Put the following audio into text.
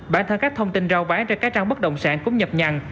bản thân các thông tin rao bán cho các trang bất động sản cũng nhập nhằn